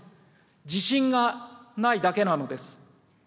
自信がないだけなのです。